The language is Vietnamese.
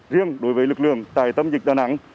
riêng đối với lực lượng tại tâm dịch đà nẵng